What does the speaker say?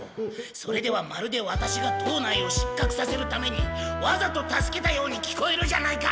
それではまるでワタシが藤内を失格させるためにわざと助けたように聞こえるじゃないか。